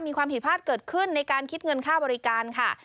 มีความผิดพลาดเกิดขึ้นในการคิดเงินค่าบริการค่ะ